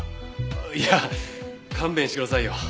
いや勘弁してくださいよ。